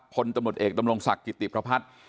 พลตำรวจเอกดำรงศักดิ์กิติพระพัฒน์